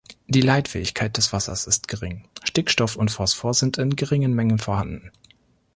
Die Leitfähigkeit des Wassers ist gering; Stickstoff und Phosphor sind in geringen Mengen vorhanden.